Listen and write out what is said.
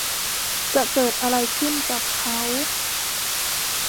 จะเกิดอะไรขึ้นกับเค้า